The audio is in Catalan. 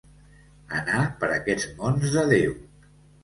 Anar per aquests mons de Déu.